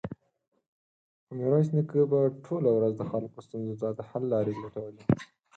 خو ميرويس نيکه به ټوله ورځ د خلکو ستونزو ته د حل لارې لټولې.